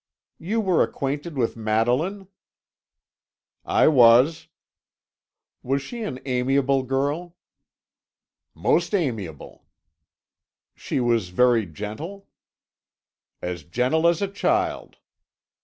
"You were acquainted with Madeline?" "I was." "Was she an amiable girl?" "Most amiable." "She was very gentle?" "As gentle as a child."